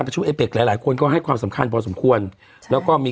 จริงจริงก็จะมีตรงอานุสวรี